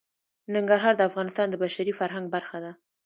ننګرهار د افغانستان د بشري فرهنګ برخه ده.